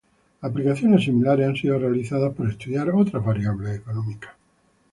Aplicaciones similares han sido realizadas para estudiar otras variables económicas.